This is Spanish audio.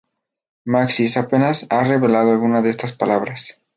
Maxis apenas ha revelado algunas de estas palabras.